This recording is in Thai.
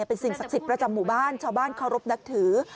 เป็นสิ่งศักดิ์สิทธิ์ประจำหมู่บ้านชาวบ้านเคารพนับถือ